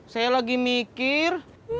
saya lagi mikir